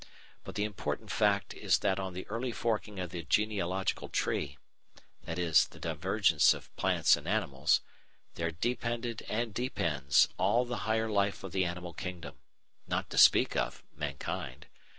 But the important fact is that on the early forking of the genealogical tree, i.e. the divergence of plants and animals, there depended and depends all the higher life of the animal kingdom, not to speak of mankind.